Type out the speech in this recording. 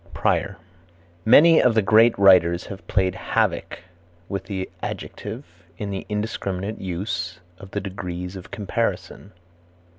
Prior. Many of the great writers have played havoc with the adjective in the indiscriminate use of the degrees of comparison.